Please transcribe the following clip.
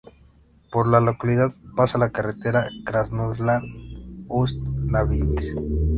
Por la localidad pasa la carretera Krasnodar-Ust-Labinsk.